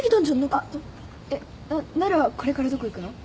えっななるはこれからどこ行くの？